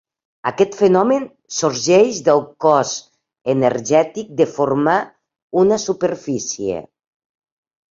Aquest fenomen sorgeix del cost energètic de formar una superfície.